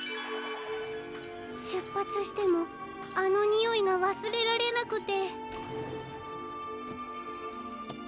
しゅっぱつしてもあのにおいがわすれられなくて。